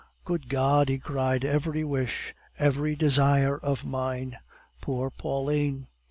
"Good God!" he cried; "every wish! Every desire of mine! Poor Pauline!